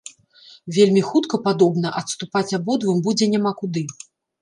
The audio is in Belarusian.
Вельмі хутка, падобна, адступаць абодвум будзе няма куды.